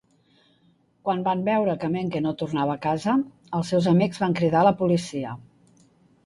Quan van veure que Menke no tornava a casa, els seus amics van cridar a la policia.